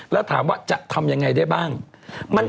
แล้วถามว่าจะทำยังไงได้บ้าง